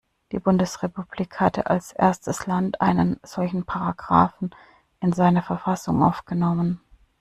Die Bundesrepublik hatte als erstes Land einen solchen Paragraphen in seine Verfassung aufgenommen.